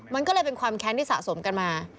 มันก็เลยเป็นความแค้นที่สะสมกันมา